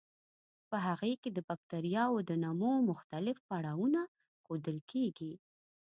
په هغې کې د بکټریاوو د نمو مختلف پړاوونه ښودل کیږي.